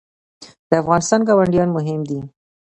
د افغانستان ګاونډیان مهم دي